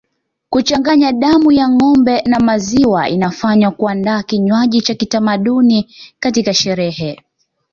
Kuchanganya damu ya ngombe na maziwa inafanywa kuandaa kinywaji cha kitamaduni katika sherehe